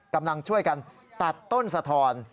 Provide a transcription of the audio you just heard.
กำลังช่วยกันตัดต้นสะทอน